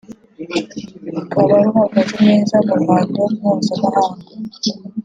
rukaba ruhagaze neza mu ruhando mpuzamahanga